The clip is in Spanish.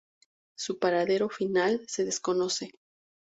Su paradero final se desconoce.